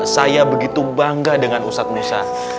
saya begitu bangga dengan ustadz nusa